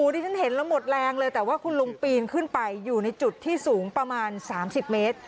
ที่ฉันเห็นแล้วหมดแรงเลยแต่ว่าคุณลุงปีนขึ้นไปอยู่ในจุดที่สูงประมาณ๓๐เมตร